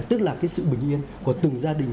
tức là cái sự bình yên của từng gia đình